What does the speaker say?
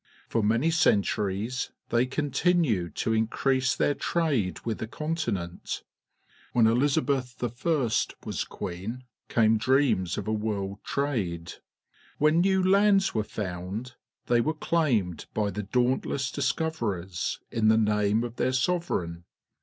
For manj' centuries they • continued to increase their trade with the continent. When Elizabeth was queen, came dreams of a world trad^, DWhen n ew lands were found, they were claimed by the daunt less discoverers in the name of their sovereign.